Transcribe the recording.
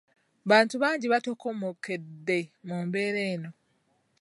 Bantu bangi batokomokedde mu mbeera eno.